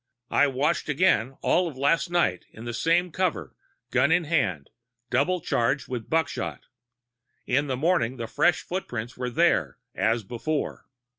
I watched again all of last night in the same cover, gun in hand, double charged with buckshot. In the morning the fresh footprints were there, as before.